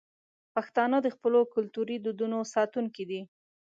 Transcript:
پښتانه د خپلو کلتوري دودونو ساتونکي دي.